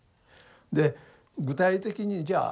で具体的にじゃあ